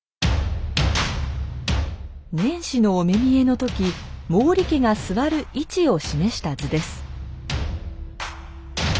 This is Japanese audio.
年始のお目見えの時毛利家が座る位置を示した図です。